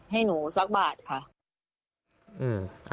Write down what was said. ให้หนูสักบาทค่ะ